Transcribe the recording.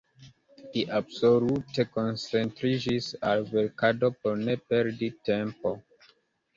Li absolute koncentriĝis al verkado por ne perdi tempon.